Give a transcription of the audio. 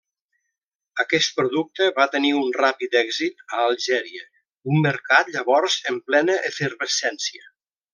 Aquest producte va tenir un ràpid èxit a Algèria, un mercat llavors en plena efervescència.